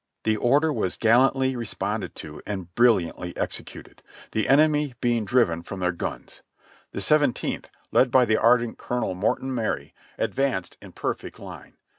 The order was gallantly responded to and brilliantly executed, the enemy being driven from their guns. The Seventeenth, led by the ardent Colonel Morton Marye, advanced in perfect line.